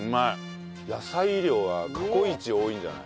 野菜量は過去一多いんじゃない？